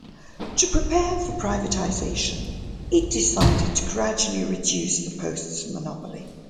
To prepare for privatization, it decided to gradually reduce the post's monopoly.